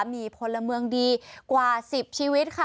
มีพลเมืองดีกว่า๑๐ชีวิตค่ะ